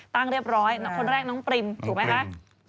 เรียบร้อยคนแรกน้องปริมถูกไหมคะ